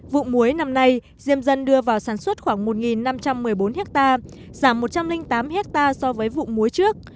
vụ muối năm nay diêm dân đưa vào sản xuất khoảng một năm trăm một mươi bốn hectare giảm một trăm linh tám hectare so với vụ muối trước